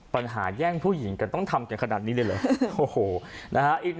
ปัญหาแย่งผู้หญิงกันต้องทำกันขนาดนี้เลยเหรอโอ้โหนะคะ